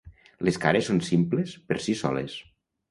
Les cares són simples per si soles.